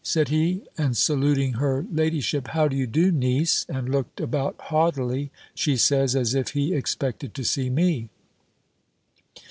said he; and saluting her ladyship. "How do you do, niece?" and looked about haughtily, she says, as if he expected to see me.